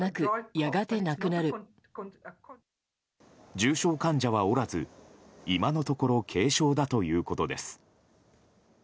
重症患者はおらず今のところ軽症だということです。